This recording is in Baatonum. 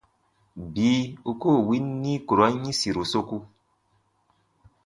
Bii u koo win nikurɔn yĩsiru soku.